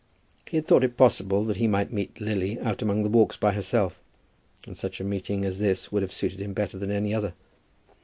He had thought it possible that he might meet Lily out among the walks by herself, and such a meeting as this would have suited him better than any other.